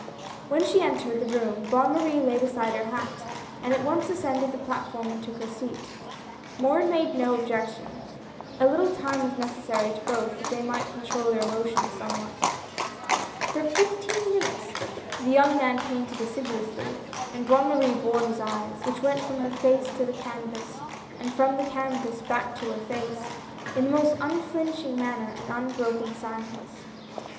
When she entered the room, Bonne Marie laid aside her hat, and at once ascended the platform and took her seat. Morin made no objection, a little time was necessary to both that they might control their emotions some what. For fifteen minutes the young man painted assiduously and Bonne Marie bore his eyes — which went from her face to the canvas and from the canvas back to her face — in the most unflinching manner and unbroken silence.